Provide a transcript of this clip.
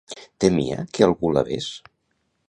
Temia que algú la ves?